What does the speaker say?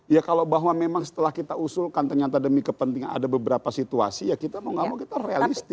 ya kalau bahwa memang setelah kita usulkan ternyata demi kepentingan ada beberapa situasi ya kita mau gak mau kita realistis